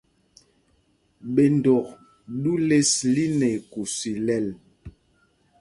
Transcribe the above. Ɓendok ɗû lěs lí nɛ ikûs ilɛl.